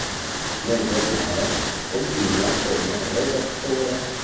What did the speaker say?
Nel giornale, continua come redattore.